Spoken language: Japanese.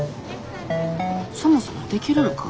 そもそもできるのか？